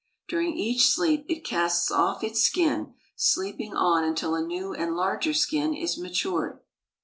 During each sleep it casts off its skin, sleeping on until a new and larger skin is matured.